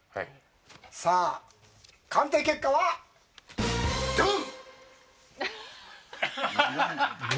さあ、鑑定結果は、ドゥンッ！